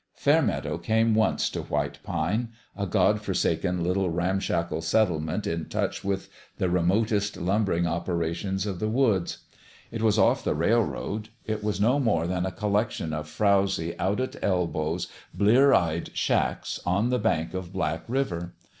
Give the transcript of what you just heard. Fairmeadow came once to White Pine a God forsaken little ramshackle settlement in touch with the remotest lumbering operations of the woods. It was off the railroad : it was no more than a collection of frowzy, out at elbows, blear eyed shacks on the bank of Black River.